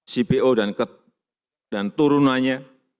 cpo dan turunannya